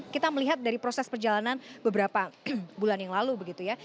kita melihat dari proses perjalanan beberapa bulan yang lalu begitu ya